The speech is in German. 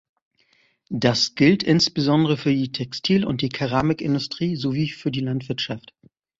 Das gilt insbesondere für die Textil- und die Keramikindustrie sowie für die Landwirtschaft.